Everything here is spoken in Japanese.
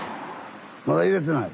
まだ入れてない？